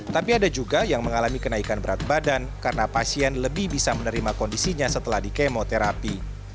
tapi ada juga yang mengalami kenaikan berat badan karena pasien lebih bisa menerima kondisinya setelah di kemoterapi